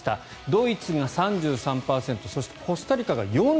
ドイツが３３％そしてコスタリカが４１％。